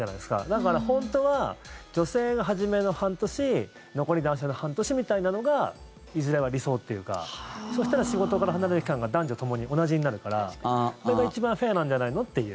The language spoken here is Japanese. だから、本当は女性が初めの半年残り男性が半年みたいなのがいずれは理想というかそうしたら仕事から離れる期間が男女ともに同じになるからそれが一番フェアなんじゃないのっていう。